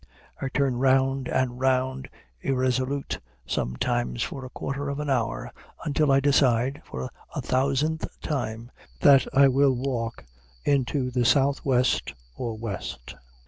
I turn round and round irresolute sometimes for a quarter of an hour, until I decide, for a thousandth time, that I will walk into the southwest or west.